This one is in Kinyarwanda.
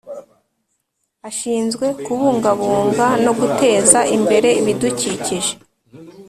Ashinzwe kubungabunga no guteza imbere ibidukikije